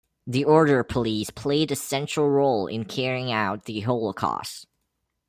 The Order Police played a central role in carrying out the Holocaust.